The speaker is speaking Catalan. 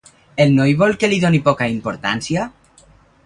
El noi vol que li doni poca importància?